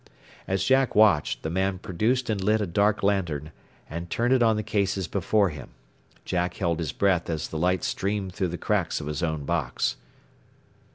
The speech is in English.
As Jack watched, the man produced and lit a dark lantern, and turned it on the cases before him. Jack held his breath as the light streamed through the cracks of his own box.